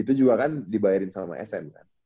itu juga kan dibayarin sama sn kan